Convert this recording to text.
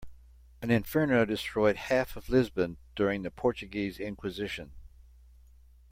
An inferno destroyed half of Lisbon during the Portuguese inquisition.